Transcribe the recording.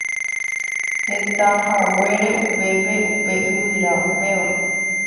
Hetahaguére upépe upe yvyra upéva.